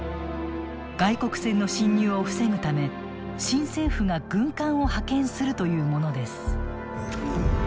外国船の侵入を防ぐため新政府が軍艦を派遣するというものです。